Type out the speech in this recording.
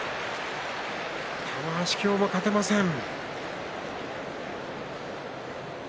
玉鷲、今日も勝てません。